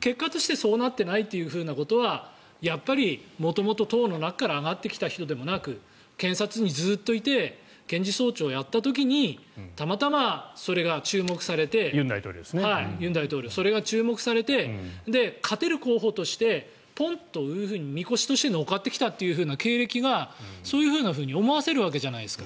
結果としてそうなっていないということはやっぱり元々、党の中から上がってきた人でもなく検察にずっといて検事総長をやった時にたまたまそれが注目されて尹大統領、それが注目されて勝てる候補としてポンと、みこしとして乗っかってきたという経歴がそういうふうに思わせるわけじゃないですか。